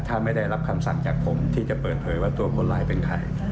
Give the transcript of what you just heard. ถ้าไม่ได้รับคำสั่งจากผมที่จะเปิดเผยว่าตัวคนร้ายเป็นใคร